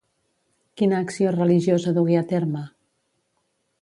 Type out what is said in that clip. Quina acció religiosa dugué a terme?